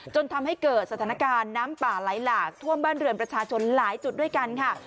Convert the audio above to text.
จนทำให้เกิดสถานการณ์น้ำป่าไหลหลากท่วมบ้านเรือนประชาชนหลายจุดด้วยกันค่ะ